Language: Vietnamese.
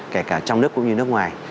kể cả trong nước cũng như nước ngoài